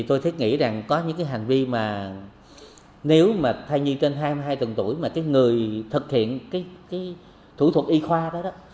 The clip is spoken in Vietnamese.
tôi thích nghĩ rằng có những cái hành vi mà nếu mà thai nhi trên hai mươi hai tuần tuổi mà cái người thực hiện cái thủ thuật y khoa đó